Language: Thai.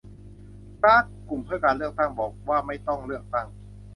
กร๊าก - กลุ่มเพื่อการเลือกตั้ง บอกว่าไม่ต้องเลือกตั้ง